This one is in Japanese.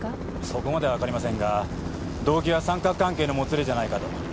そこまではわかりませんが動機は三角関係のもつれじゃないかと。